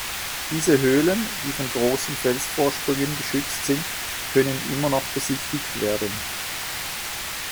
Diese Höhlen, die von großen Felsvorsprüngen geschützt sind, können immer noch besichtigt werden.